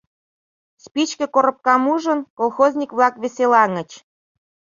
Спичке коробкам ужын, колхозник-влак веселаҥыч.